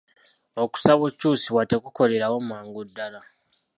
Okusaba okyusibwa tekukolerawo mangu ddala.